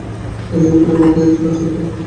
এইজন্য ভিড়ের মধ্যে এ কাজ দরকার।